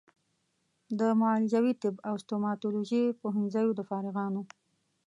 د معالجوي طب او ستوماتولوژي پوهنځیو د فارغانو